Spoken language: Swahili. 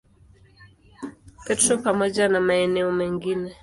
Petro pamoja na maeneo mengine.